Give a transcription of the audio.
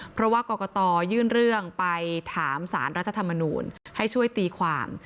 เพราะว่ากรกตยื่นเรื่องไปถามสารรัฐธรรมนูลให้ช่วยตีความ